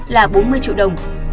là bốn mươi triệu đồng